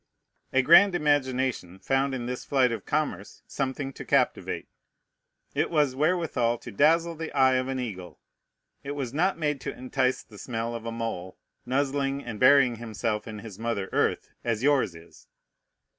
A grand imagination found in this flight of commerce something to captivate. It was wherewithal to dazzle the eye of an eagle. It was not made to entice the smell of a mole, nuzzling and burying himself in his mother earth, as yours is.